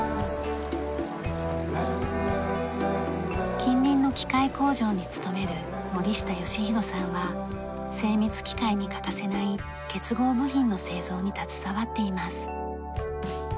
近隣の機械工場に勤める森下義博さんは精密機械に欠かせない結合部品の製造に携わっています。